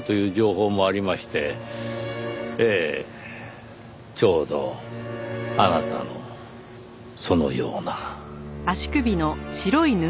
ええちょうどあなたのそのような。